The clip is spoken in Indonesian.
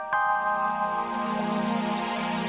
kamu sudah subscribe kami